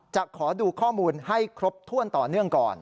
จะขอดูข้อมูลให้ครบถ้วนต่อเนื่องก่อน